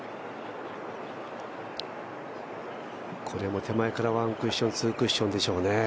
これも手前からワンクッション、ツークッションでしょうね。